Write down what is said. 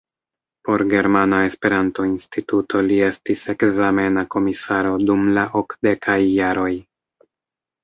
Por Germana Esperanto-Instituto li estis ekzamena komisaro dum la okdekaj jaroj.